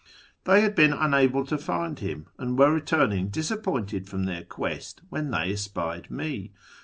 They had been unable to find him, and were returning dis appointed from their quest when they espied me.